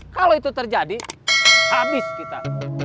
kalau itu terjadi habis kita